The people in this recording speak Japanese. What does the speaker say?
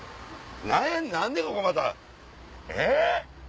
何何でここまたえぇ？